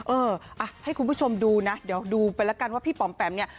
เอออ่ะให้คุณผู้ชมดูนะเดี๋ยวดูไปแล้วกันว่าพี่ป๋อมแปมเนี่ย